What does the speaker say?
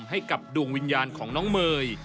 ให้กับดวงวิญญาณของน้องเมย์